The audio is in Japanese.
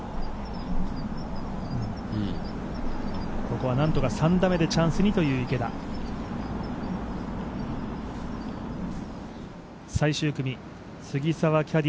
ここはなんとか３打目でチャンスにという池田勇太。